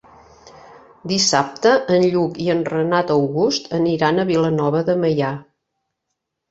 Dissabte en Lluc i en Renat August aniran a Vilanova de Meià.